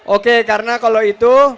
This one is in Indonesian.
oke karena kalau itu